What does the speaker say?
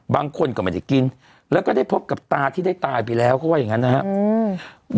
บางคนก็ไม่ได้กินแล้วก็ได้พบกับตาที่ได้ตายไปแล้วเขาว่าอย่างนั้นนะครับ